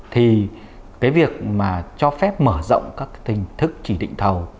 thì cái việc mà cho phép mở rộng các tình thức trì định thầu